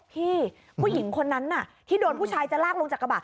พี่ผู้หญิงคนนั้นที่โดนผู้ชายจะลากลงจากกระบะ